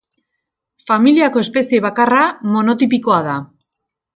Familiako espezie bakarra, monotipikoa da.